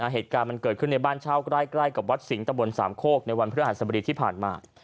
เหตุการณ์มันเกิดขึ้นในบ้านเช่าใกล้กับวัดสิงห์ตะบนสามโคกในวันพฤหัสบดีที่ผ่านมา